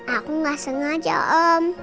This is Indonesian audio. aku gak sengaja om